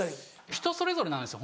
人それぞれなんですよ